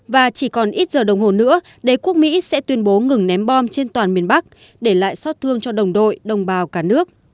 và chỉ còn ít giờ đồng hồ nữa đế quốc mỹ sẽ tuyên bố ngừng ném bom trên toàn miền bắc để lại xót thương cho đồng đội đồng bào cả nước